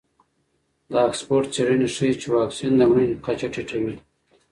د اکسفورډ څېړنې ښیي چې واکسین د مړینې کچه ټیټوي.